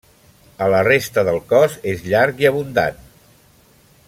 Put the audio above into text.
A la resta del cos és llarg i abundant.